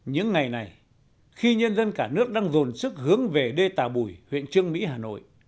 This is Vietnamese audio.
những ngày này khi nhân dân cả nước đang dồn sức hướng về đê tà bùi huyện trương mỹ hà nội